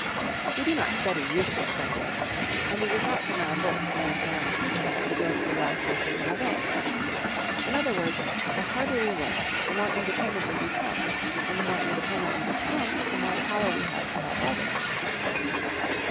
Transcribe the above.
We do not study useless subjects, and it is not from our books, nor from our teacher that we go through life, making our way. In other words, the harder we work, the more independent we become; and the more independent we become, the more power we have to help others.